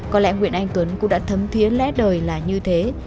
có lẽ nguyễn anh tuấn cũng đã thấm thiế lẽ đời là như thế